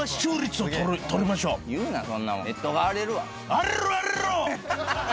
荒れろ荒れろ！